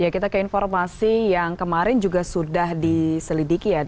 kita ke informasi yang kemarin juga sudah diselidiki ya